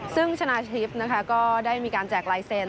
ซึ่งชนะทิพย์นะคะก็ได้มีการแจกลายเซ็นต